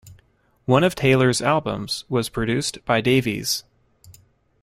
One of Taylor's albums was produced by Davies.